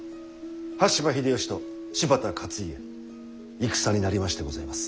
羽柴秀吉と柴田勝家戦になりましてございます。